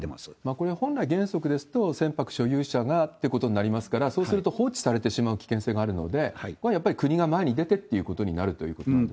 これは本来、原則ですと、船舶所有者がということになりますが、そうすると、放置されてしまう危険性があるので、これはやっぱり国が前に出てってということになるんですか？